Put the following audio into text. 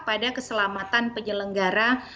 pada keselamatan penyelenggara